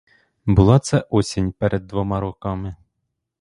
Була це осінь перед двома роками.